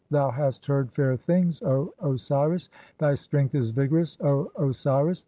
Thou hast heard "fair things, O Osiris ! Thy strength is vigorous, O Osiris.